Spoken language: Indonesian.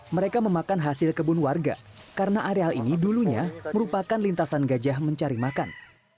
mereka memakan hasil kebun warga karena areal ini dulunya merupakan lintasan gajah mencari makan